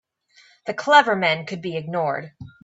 The clever men could be ignored.